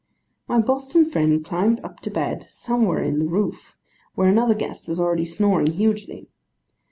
My Boston friend climbed up to bed, somewhere in the roof, where another guest was already snoring hugely.